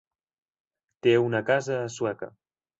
Té una casa a Sueca.